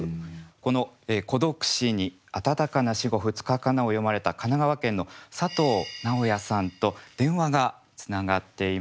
この「孤独死にあたたかな死後二日かな」を詠まれた神奈川県の佐藤直哉さんと電話がつながっています。